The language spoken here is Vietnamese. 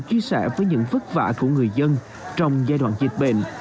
chia sẻ với những vất vả của người dân trong giai đoạn dịch bệnh